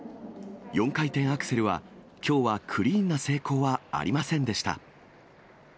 ４回転アクセルは、きょうはクリーンな成功はありませんでした。